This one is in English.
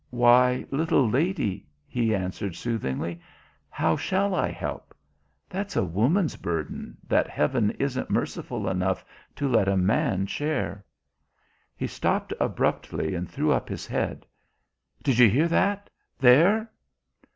"Why, little lady," he answered soothingly, "how shall I help? That's a woman's burden that heaven isn't merciful enough to let a man share." He stopped abruptly and threw up his head. "Did you hear that there?"